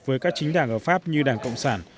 với các chính đảng ở pháp như đảng cộng sản